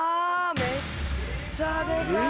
めっちゃデカい！